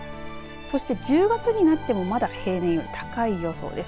そして１１月になってもまだ平年より高い予想です。